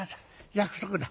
約束だ。